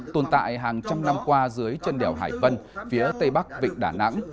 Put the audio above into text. tồn tại hàng trăm năm qua dưới chân đèo hải vân phía tây bắc vịnh đà nẵng